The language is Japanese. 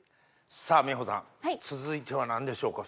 さぁ美穂さん続いては何でしょうか？